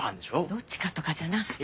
どっちかとかじゃなくて。